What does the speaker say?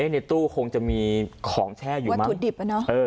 ในตู้คงจะมีของแช่อยู่ในวัตถุดิบอ่ะเนอะ